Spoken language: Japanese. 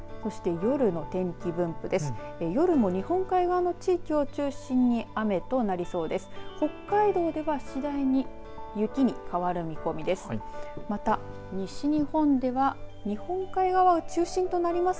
夜も日本海側の地域を中心に雨となりそうです。